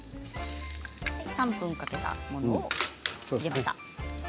３分かけたものを入れました。